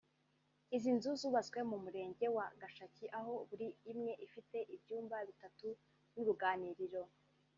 Izi nzu zubatswe mu Murenge wa Gashaki aho buri imwe ifite ibyumba bitatu n’uruganiriro